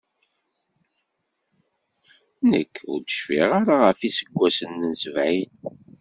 Nekk ur d-cfiɣ ara ɣef yiseggasen n sebɛin.